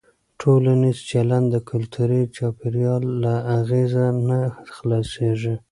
ټولنیز چلند د کلتوري چاپېریال له اغېزه نه خلاصېږي.